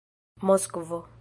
moskvo